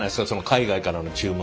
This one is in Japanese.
海外からの注文。